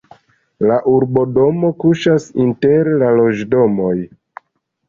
La urbodomo kuŝas inter loĝdomoj.